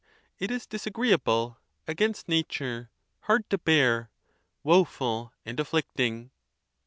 It is disagreeable, against nature, hard to bear, woful and afflicting.